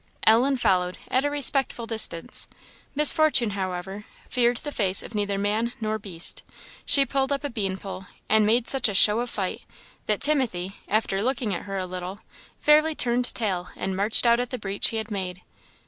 Ellen followed, at a respectful distance. Miss Fortune, however, feared the face of neither man nor beast; she pulled up a bean pole, and made such a show of fight, that Timothy, after looking at her a little, fairly turned tail, and marched out at the breach he had made.